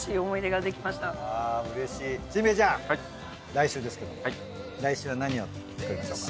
来週ですけども来週は何を作るんでしょうか。